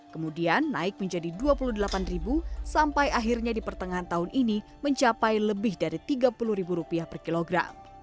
kemudian naik menjadi rp dua puluh delapan sampai akhirnya di pertengahan tahun ini mencapai lebih dari rp tiga puluh per kilogram